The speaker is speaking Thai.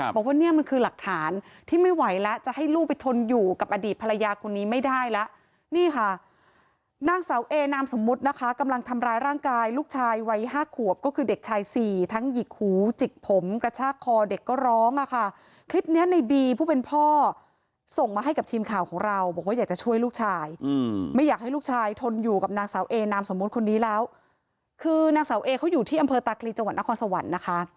บอกว่าเนี่ยมันคือหลักฐานที่ไม่ไหวแล้วจะให้ลูกไปทนอยู่กับอดีตภรรยาคนนี้ไม่ได้แล้วนี่ค่ะนางสาวเอนามสมมตินะคะกำลังทำร้ายร่างกายลูกชายไว้๕ขวบก็คือเด็กชาย๔ทั้งหยิกหูจิกผมกระชากคอเด็กก็ร้องค่ะคลิปนี้ในบีผู้เป็นพ่อส่งมาให้กับทีมข่าวของเราบอกว่าอยากจะช่วยลูกชายไม่อยากให้ลูกชายทนอยู่ก